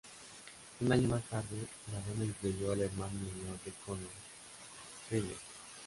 Un año más tarde, la banda incluyó al hermano menor de Connor, Riley.